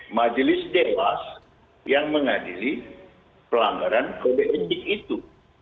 majelis dewas yang mengadili pelanggaran kdn di itu